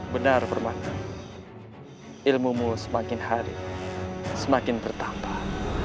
benar permata ilmumu semakin hari semakin bertambah